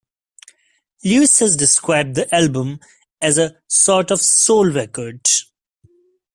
Lewis has described the album as a "sort of soul record".